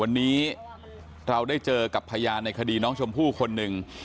วันนี้เราได้เจอกับพยานในคดีน้องชมพู่คนหนึ่ง